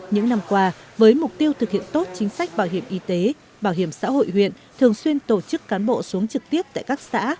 những năm qua với mục tiêu thực hiện tốt chính sách bảo hiểm y tế bảo hiểm xã hội huyện thường xuyên tổ chức cán bộ xuống trực tiếp tại các xã